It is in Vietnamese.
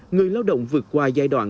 người lao động vượt qua giai đoạn